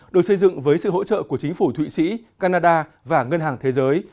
được xây dựng với sự hỗ trợ của chính phủ thụy sĩ canada và ngân hàng thế giới